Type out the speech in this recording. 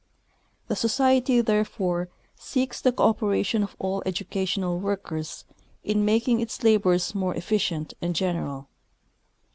The Society therefore seeks the cooperation of all educational workers in making its labors more efficient and general.